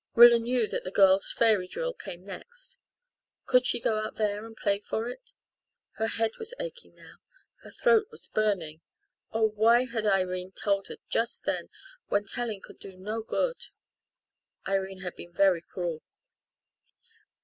Rilla knew that the girls' Fairy Drill came next. Could she go out there and play for it? Her head was aching now her throat was burning. Oh, why had Irene told her just then, when telling could do no good? Irene had been very cruel.